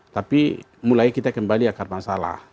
tapi mulai kita kembali akar masalah